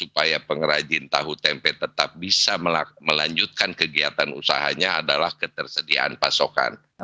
supaya pengrajin tahu tempe tetap bisa melanjutkan kegiatan usahanya adalah ketersediaan pasokan